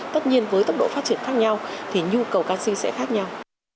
tất nhiên với tốc độ phát triển khác nhau thì nhu cầu canxi sẽ khác nhau